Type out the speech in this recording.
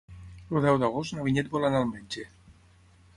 El deu d'agost na Vinyet vol anar al metge.